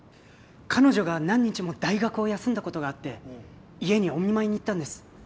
彼女が何日も大学を休んだことがあって家にお見舞いに行ったんです。